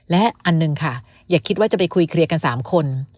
และอันหนึ่งค่ะอย่าคิดว่าจะไปคุยเคลียร์กัน๓คน